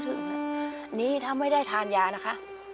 พอถึงนี้นี่ถ้าไม่ได้ทานยานะคะ